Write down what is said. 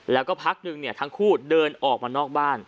แล้วก็พักหนึ่งทั้งคู่เดินออกมานอกบ้าน